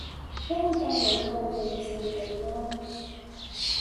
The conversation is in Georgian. როგორ წარმოიშვა უძველესი იმპერია?